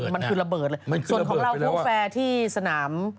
มันคือระเบิดเลยส่วนของเราผู้แฟร์ที่สนาม